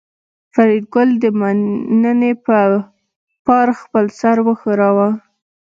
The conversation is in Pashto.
فریدګل د مننې په پار خپل سر وښوراوه